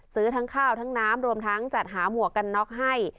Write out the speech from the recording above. ซื้อทั้งข้าวทั้งน้ำรวมทั้งจัดหาหมวกกันน็อกให้